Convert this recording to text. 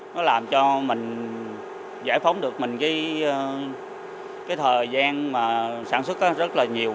nó làm cho mình giải phóng được mình cái thời gian mà sản xuất rất là nhiều